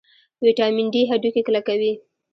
ویټامین ډي هډوکي کلکوي